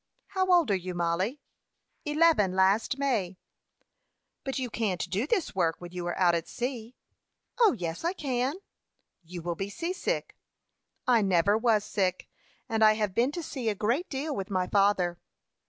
"How old are you, Mollie?" "Eleven last May." "But you can't do this work when you are out at sea." "O, yes, I can." "You will be seasick." "I never was sick, and I have been to sea a great deal with my father."